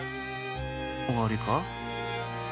おわりか？